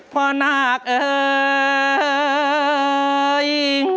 พ่อหนักเอ่ย